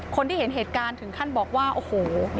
คนที่เห็นเหตุการณ์ถึงขั้นบอกว่าโอ้โห